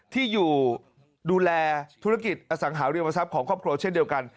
ที่อยู่ดูแลธุรกิจอสังหาริมทรัพย์ของครอบครัวเช่นเดียวกัน